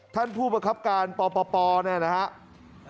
ท่านผู้ประคับการปปเนี่ยนะครับ